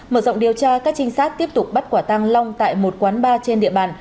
mở rộng điều tra các trinh sát tiếp tục bắt quả tăng long tại một quán bar trên địa bàn